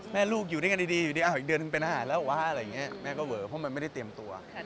แม่ลูกอยู่ด้วยกันดีอีกเดือนถึงเป็นหาดแล้วแม่ก็เว๋เพราะมันไม่ได้เตรียมตัว